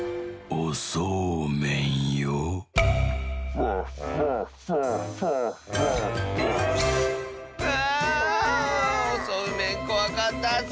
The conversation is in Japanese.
おそうめんこわかったッス！